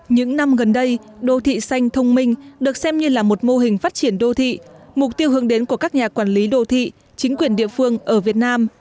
những năm gần đây đô thị xanh thông minh được xem như là một mô hình phát triển đô thị mục tiêu hướng đến của các nhà quản lý đô thị chính quyền địa phương ở việt nam